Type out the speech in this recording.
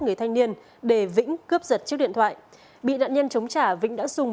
người thanh niên để vĩnh cướp giật chiếc điện thoại bị nạn nhân chống trả vĩnh đã dùng